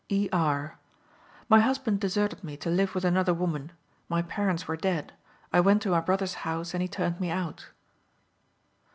E. R.: "My husband deserted me to live with another woman; my parents were dead; I went to my brother's house, and he turned me out."